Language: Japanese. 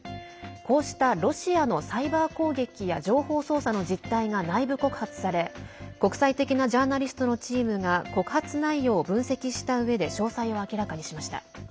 こうしたロシアのサイバー攻撃や情報操作の実態が内部告発され国際的なジャーナリストのチームが告発内容を分析したうえで詳細を明らかにしました。